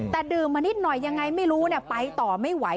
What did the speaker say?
แต่ดื่มมานิดหน่อยยังไงไม่รู้ไปต่อไม่ไหว